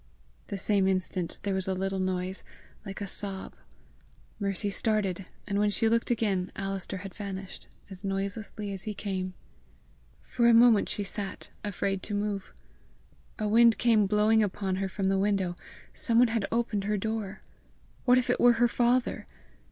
The same instant there was a little noise like a sob. Mercy started, and when she looked again Alister had vanished as noiselessly as he came. For a moment she sat afraid to move. A wind came blowing upon her from the window: some one had opened her door! What if it were her father!